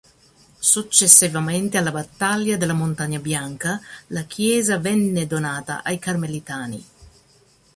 Successivamente alla battaglia della Montagna Bianca, la chiesa venne donata ai carmelitani.